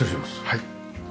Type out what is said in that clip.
はい。